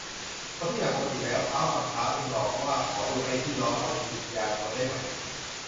พอทุกอย่างปกติแล้ว ท้าวกำพร้าจึงหลอกว่าขอดูไอ้ที่ร้องเอาวิญญาณคนได้ไหม